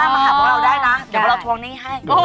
มาหาพวกเราได้นะเดี๋ยวเราทวงหนี้ให้